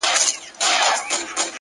اوښکي دې توی کړلې ډېوې _ راته راوبهيدې _